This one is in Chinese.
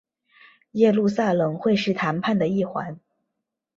耶路撒冷会是谈判的一环。